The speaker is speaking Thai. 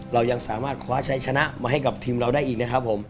เรายังสามารถคว้าชัยชนะมาให้กับทีมเราได้อีกนะครับผม